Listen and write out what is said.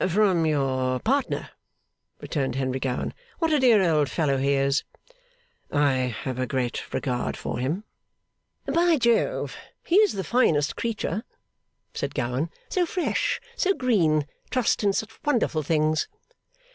'From your partner?' returned Henry Gowan. 'What a dear old fellow he is!' 'I have a great regard for him.' 'By Jove, he is the finest creature!' said Gowan. 'So fresh, so green, trusts in such wonderful things!